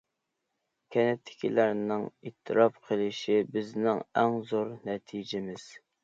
كەنتتىكىلەرنىڭ ئېتىراپ قىلىشى بىزنىڭ ئەڭ زور نەتىجىمىز.